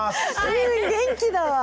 うん元気だわぁ。